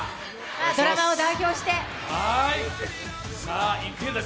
ドラマを代表して。